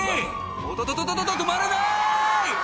「おっとっとっと止まらない！」